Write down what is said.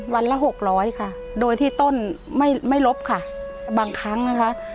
วันละหกร้อยค่ะโดยที่ต้นไม่ไม่ลบค่ะบางครั้งนะคะ